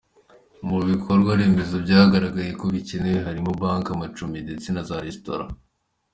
Mu bikorwa remezo byagaragaye ko bikenewe harimo banki, amacumbi ndetse na za restaurant.